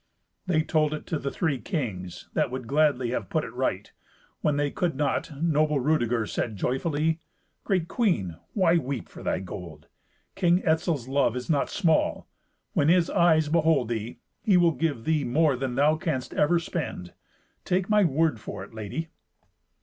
They told it to the three kings, that would gladly have put it right; when they could not, noble Rudeger said joyfully, "Great Queen, why weep for thy gold? King Etzel's love is not small. When his eyes behold thee, he will give thee more than thou canst ever spend. Take my word for it, lady."